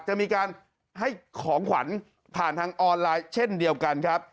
จะมีการให้ของขวัญผ่านทางออนไลน์เช่นเดียวกันครับ